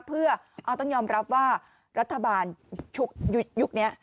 เพื่อต้องยอมรับว่ารัฐบาลยุคนี้